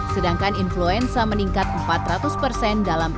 sedangkan influenza meningkat empat ratus persen